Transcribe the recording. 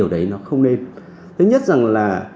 thứ nhất là